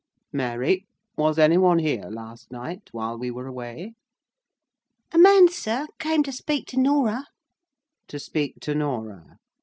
"Mary, was any one here last night while we were away?" "A man, sir, came to speak to Norah." "To speak to Norah!